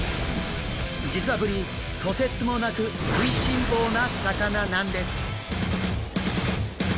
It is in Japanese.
実はブリとてつもなく食いしん坊な魚なんです！